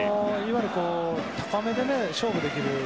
高めで勝負できる。